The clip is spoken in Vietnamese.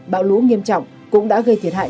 bão lũ nghiêm trọng cũng đã gây thiệt hại